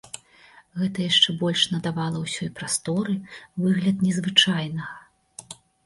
Гэта яшчэ больш надавала ўсёй прасторы выгляд незвычайнага.